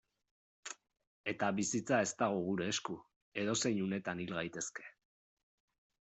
Eta bizitza ez dago gure esku, edozein unetan hil gaitezke.